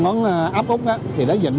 ngón áp út thì nó dịch